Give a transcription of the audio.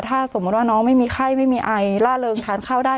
ถ้าสมมุติว่าน้องไม่มีไข้ไม่มีไอล่าเริงทานข้าวได้